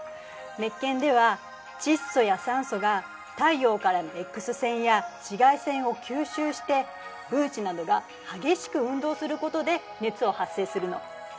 熱圏では窒素や酸素が太陽からのＸ線や紫外線を吸収して分子などが激しく運動することで熱を発生するの。